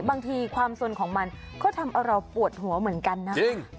บางทีความสนของมันก็ทำเอาเราปวดหัวเหมือนกันนะ